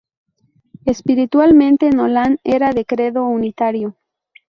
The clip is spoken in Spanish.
Espiritualmente, Nolan era de credo unitario.